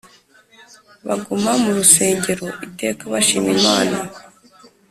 baguma mu rusengero iteka bashima Imana